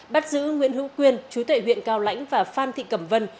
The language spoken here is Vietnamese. bắt giữ nguyễn hữu quyên chú tệ huyện cao lãnh và phan thị cẩm vân